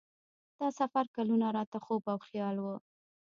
دا سفر کلونه راته خوب او خیال و.